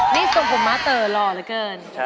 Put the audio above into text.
นี่ส่งผมมาเต๋อหล่อเหลือเกิน